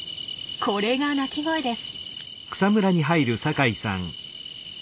これが鳴き声です。